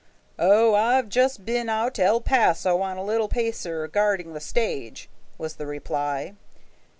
"Oh, I've just been out to El Paso on a little pasear guarding the stage," was the reply.